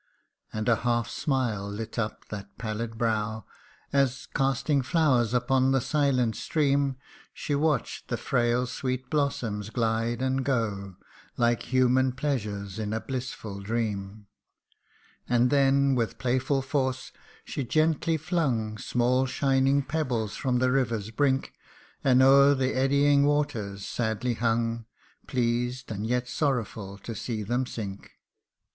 And a half smile lit up that pallid brow, As, casting flowers upon the silent stream, She watch'd the frail sweet blossoms glide and go Like human pleasures in a blissful dream. And then, with playful force she gently flung Small shining pebbles from the river's brink, And o'er the eddying waters sadly hung, Pleased, and yet sorrowful, to see them sink.